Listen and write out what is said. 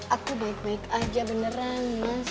aku baik baik aja beneran mas